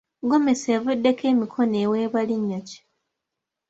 Ggomesi evuddeko emikono eweebwa linnya ki?